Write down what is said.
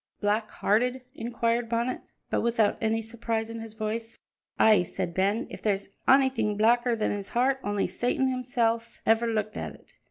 "Black hearted?" inquired Bonnet, but without any surprise in his voice. "Ay," said Ben, "if there's onything blacker than his heart, only Satan himsel' ever looked at it.